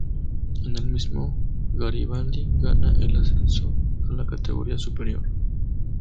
En el mismo, Garibaldi gana el ascenso a la categoría superior.